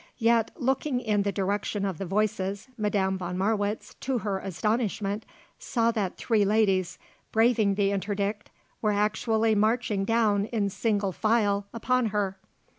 Yet, looking in the direction of the voices, Madame von Marwitz, to her astonishment, saw that three ladies, braving the interdict, were actually marching down in single file upon her.